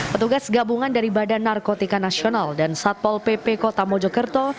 petugas gabungan dari badan narkotika nasional dan satpol pp kota mojokerto